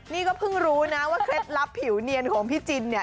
นี่ก็เพิ่งรู้นะว่าเคล็ดลับผิวเนียนของพี่จินเนี่ย